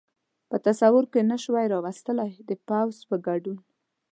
په تصور کې نه شوای را وستلای، د پوځ په ګډون.